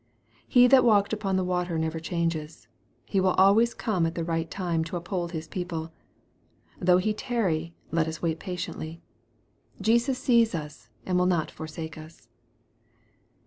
He that walked upon the water never changes. He will always come at the right time to uphold His people. Though He tarry, let us wait patiently. Jesus sees us, and will not forsake us.